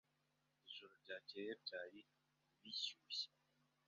Ijoro ryakeye byari bishyushye.